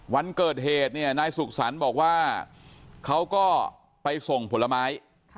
วันเกิดเหตุเนี่ยนายสุขสรรค์บอกว่าเขาก็ไปส่งผลไม้